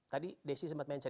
tadi desy sempat mention